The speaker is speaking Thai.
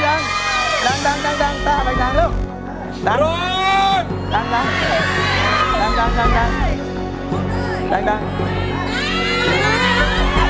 ดังดังดังตามไปดังเร็ว